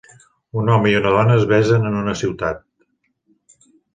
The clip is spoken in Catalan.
Un home i una dona es besen en una ciutat